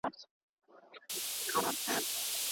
ځیني پوهان د علومو جلا کول سخت کار بولي.